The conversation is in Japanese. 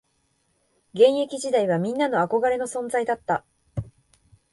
現役時代はみんな憧れの存在だった